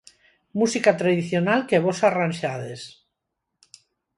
Música tradicional que vós arranxades.